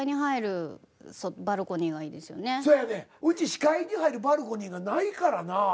うち視界に入るバルコニーがないからな。